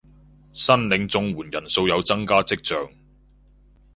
申領綜援人數有增加跡象